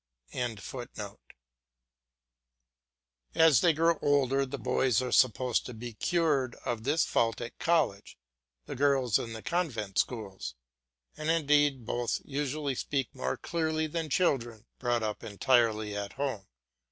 ] As they grow older, the boys are supposed to be cured of this fault at college, the girls in the convent schools; and indeed both usually speak more clearly than children brought up entirely at home.